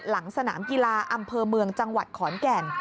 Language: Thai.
หลังสนามกีฬาอำเภอเมืองจังหวัดขอนแก่น